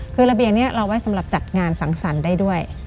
คือระเบียงนี้เราไว้สำหรับจัดงานสังสรรค์ได้ด้วย